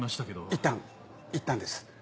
いったんいったんです。